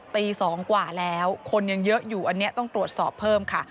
ตี๒กว่าแล้วคนยังเยอะอยู่อันนี้ต้องตรวจสอบเพิ่มค่ะ